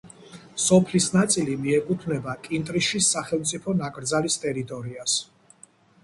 სოფლის ნაწილი მიეკუთვნება კინტრიშის სახელმწიფო ნაკრძალის ტერიტორიას.